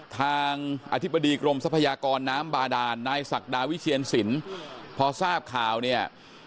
ทางอธิบดีกรมทรัพยากรน้ำบาดานนายศักดาวิเชียนสินพอทราบข่าวเนี่ย